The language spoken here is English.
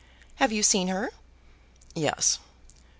"Have you seen her?" "Yes."